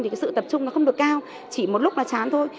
thì cái sự tập trung nó không được cao chỉ một lúc là chán thôi